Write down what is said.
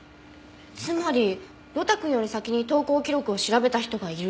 つまり呂太くんより先に投稿記録を調べた人がいる。